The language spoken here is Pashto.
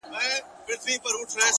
انسان د خپل فکر په اندازه لوی وي!